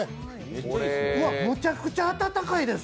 むちゃくちゃ温かいです。